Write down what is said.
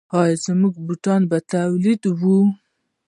آیا موږ بوټان تولیدوو؟